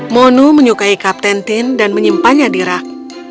monu menyukai kapten tin dan menyimpannya di rak